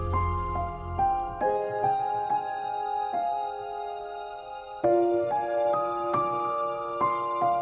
pembunuhan di pulau mas jaya